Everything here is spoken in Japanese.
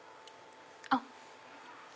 あっ！